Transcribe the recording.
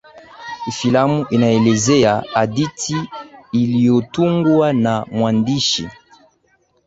filamu inaelezea hadithi iliyotungwa na mwandishi